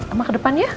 emah ke depan ya